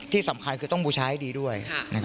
ที่สำคัญคือต้องบูชาให้ดีด้วย